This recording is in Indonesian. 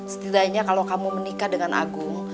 setidaknya kalau kamu menikah dengan agung